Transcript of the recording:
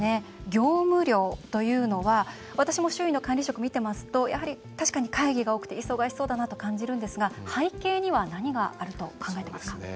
業務量というのは私も周囲の管理職見てますとやはり確かに会議が多くて忙しそうだなと感じるんですが背景には何があると考えていますか？